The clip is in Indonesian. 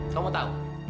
kamu mau tahu